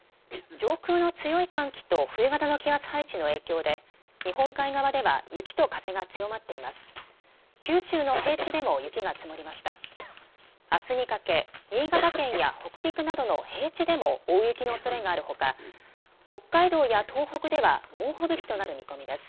上空の強い寒気と冬型の気圧配置の影響で日本海側では雪と風が強まっています。